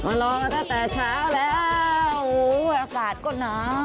มารอตั้งแต่เช้าแล้วโอ้อากาศก็น้ำ